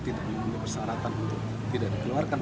tidak memenuhi persyaratan untuk tidak dikeluarkan